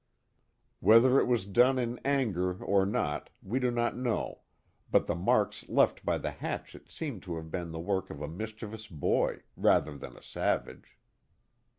Whether it was done in anger or not, we do not know, but the marks left by the hatchet seem to have been the work of a mischievous boy, rather than a savage.